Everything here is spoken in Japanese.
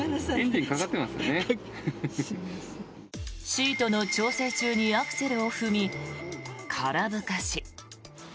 シートの調整中にアクセルを踏み、空吹かし。